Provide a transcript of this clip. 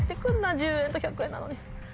１０円と１００円なのに。